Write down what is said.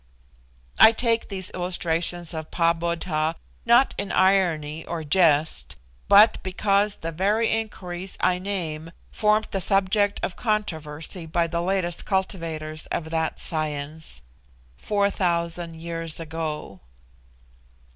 I take these illustrations of Pahbodh, not in irony or jest, but because the very inquiries I name formed the subject of controversy by the latest cultivators of that 'science,' 4000 years ago.